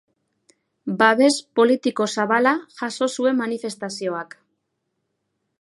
Babes politiko zabala jaso zuen manifestazioak.